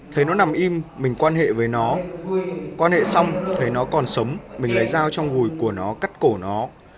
thấy nó nằm im mình quan hệ với nó quan hệ xong thấy nó còn sống mình lấy dao trong gùi của nó cắt cổ nó